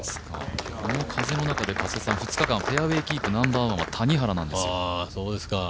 この風の中でフェアウエーキープナンバー１は谷原なんです。